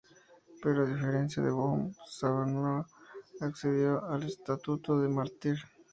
Pero a diferencia de Böhm, Savonarola accedió al estatuto de mártir.